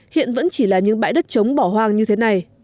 hiện vẫn chỉ là những bãi đất trống bỏ hoang như thế này